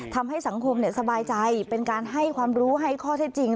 ทำให้สังคมสบายใจเป็นการให้ความรู้ให้ข้อเท็จจริง